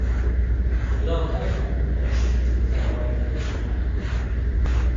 直到开成五年史籍才有关于他的记载。